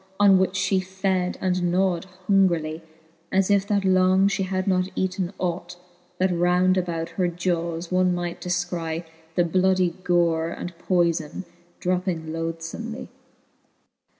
On which (he fed, and gnawed hungrily, As if that long fhe had not eaten ought; That round about her jawes one might defcry The bloudie gore and poyfon dropping lothlbmely.